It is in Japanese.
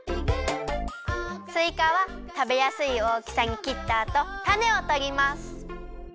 すいかはたべやすいおおきさにきったあとたねをとります。